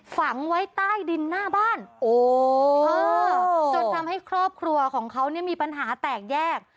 ฝังไว้ใต้ดินหน้าบ้านจนทำให้ครอบครัวของเขาเนี่ยมีปัญหาแตกแยก